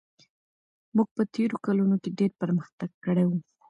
موږ په تېرو کلونو کې ډېر پرمختګ کړی و.